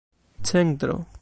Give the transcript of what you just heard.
centro